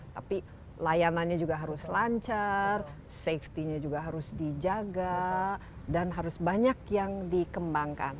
tapi layanannya juga harus lancar safety nya juga harus dijaga dan harus banyak yang dikembangkan